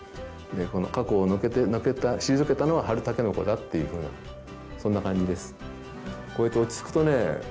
この過去を退けて退けたのは春筍だっていうふうなそんな感じです。